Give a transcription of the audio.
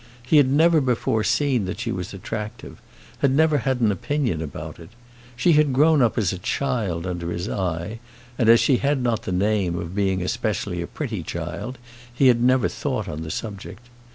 He had never before seen that she was attractive; had never had an opinion about it. She had grown up as a child under his eye; and as she had not had the name of being especially a pretty child, he had never thought on the subject.